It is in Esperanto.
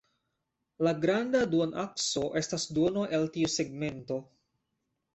La granda duonakso estas duono el tiu segmento.